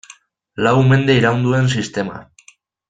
Lau mende iraun duen sistema.